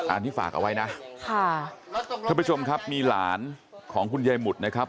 อันนี้ฝากเอาไว้นะค่ะท่านผู้ชมครับมีหลานของคุณยายหมุดนะครับ